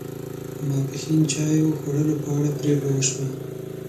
ماپښین چای خوړلو په اړه پرېکړه و شوه.